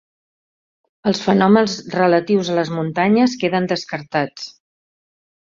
Els fenòmens relatius a les muntanyes queden descartats.